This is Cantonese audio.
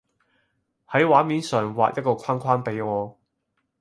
喺畫面上畫一個框框畀我